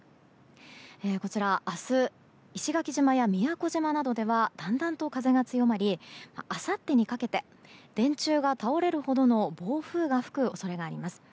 こちら、明日石垣島や宮古島などではだんだんと風が強まりあさってにかけて電柱が倒れるほどの暴風が吹く恐れがあります。